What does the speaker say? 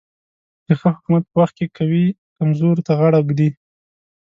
د ښه حکومت په وخت کې قوي کمزورو ته غاړه ږدي.